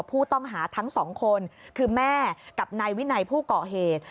ผู้ต้องหาทั้ง๒คนคือแม่กับในวินัยผู้เกาะเหตุ